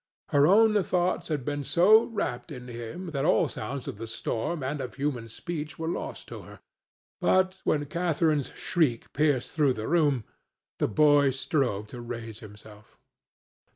Her own thoughts had been so wrapped in him that all sounds of the storm and of human speech were lost to her; but when Catharine's shriek pierced through the room, the boy strove to raise himself.